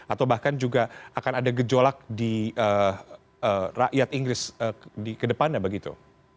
atau bahkan juga akan ada gejolak di rakyat inggris di kedepannya begitu